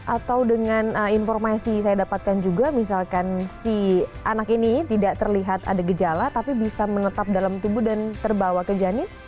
atau dengan informasi saya dapatkan juga misalkan si anak ini tidak terlihat ada gejala tapi bisa menetap dalam tubuh dan terbawa ke janin